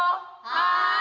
はい。